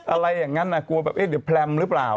อะไรอย่างนั้นกลัวแบบเอ๊ะเดี๋ยวแพรมหรือเปล่า